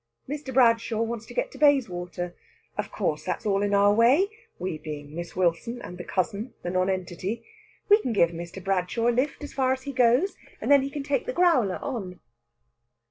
Mr. Bradshaw wants to get to Bayswater. Of course, that's all in our way we being Miss Wilson and the cousin, the nonentity. We can give Mr. Bradshaw a lift as far as he goes, and then he can take the growler on.